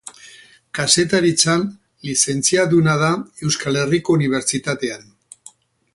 Kazetaritzan lizentziaduna da Euskal Herriko Unibertsitatean.